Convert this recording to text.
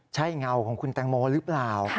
ใช่เงาของคุณแตงโมหรือเปล่า